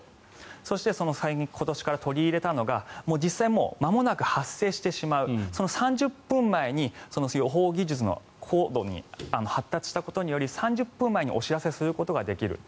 そして、今年から取り入れたのがまもなく発生してしまう予報技術が発達したことにより３０分前にお知らせすることができる。